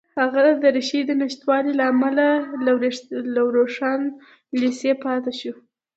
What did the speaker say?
هغه د دریشۍ د نشتوالي له امله له روښان لېسې پاتې شو